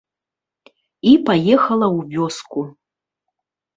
І паехала ў вёску.